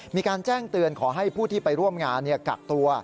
มีการแจ้งเตือนขอให้ผู้ที่ไปร่วมงานกักตัว